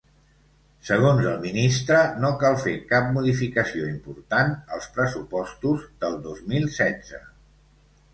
Segons el ministre, no cal fer cap “modificació important” als pressupostos del dos mil setze.